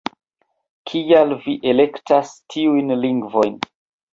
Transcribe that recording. Kial vi elektas tiujn lingvojn?